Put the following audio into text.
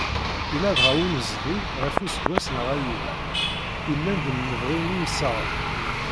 Yella dɣa unnezdi ɣef useggas neɣ ayyur, illend n lebɣi n yimsaɣen.